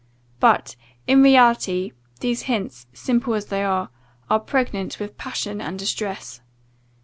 But, in reality, these hints, simple as they are, are pregnant with passion and distress.